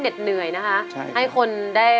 เหน็ดเหนื่อยนะคะใช่ให้คนได้